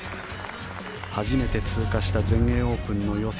初めて通過した全英オープンの予選。